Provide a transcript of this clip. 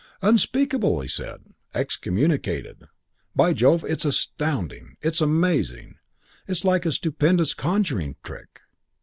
"'Unspeakable,' he said. 'Excommunicated. By Jove, it's astounding. It's amazing. It's like a stupendous conjuring trick.